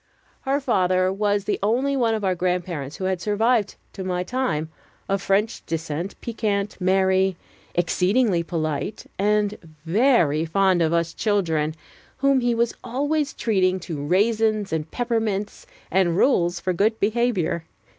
Her father was the only one of our grandparents who had survived to my time, of French descent, piquant, merry, exceedingly polite, and very fond of us children, whom he was always treating to raisins and peppermints and rules for good behavior.